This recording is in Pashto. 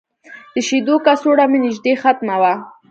د شیدو کڅوړه مې نږدې ختمه وه.